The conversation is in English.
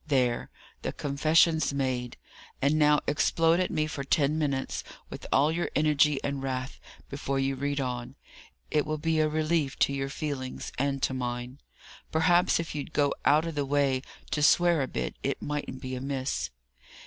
There! the confession's made. And now explode at me for ten minutes, with all your energy and wrath, before you read on. It will be a relief to your feelings and to mine. Perhaps if you'd go out of the way to swear a bit, it mightn't be amiss."